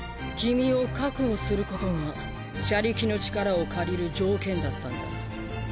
君を確保することが車力の力を借りる条件だったんだ。